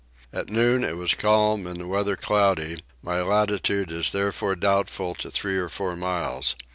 At noon it was calm and the weather cloudy; my latitude is therefore doubtful to 3 or 4 miles.